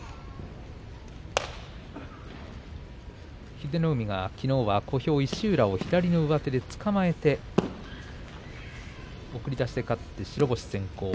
英乃海がきのうは小兵、石浦をつかまえて送り出しで勝って白星先行。